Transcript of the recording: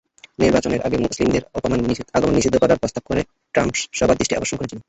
নির্বাচনের আগে মুসলিমদের আগমন নিষিদ্ধ করার প্রস্তাব করে ট্রাম্প সবার দৃষ্টি আকর্ষণ করেছিলেন।